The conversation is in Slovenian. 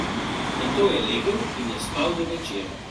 Nato je legel in je spal do večera.